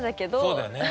そうだよね。